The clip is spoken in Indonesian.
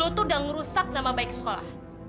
lu tuh udah ngerusak nama baik sekolah